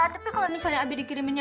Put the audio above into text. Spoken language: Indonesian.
tapi kalau misalnya abinya dikirimin